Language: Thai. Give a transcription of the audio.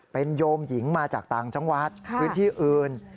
เป็นโยมหญิงมาจากต่างจังหวัดพื้นที่อื่น